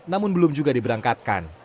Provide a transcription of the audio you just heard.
namun belum juga diberangkat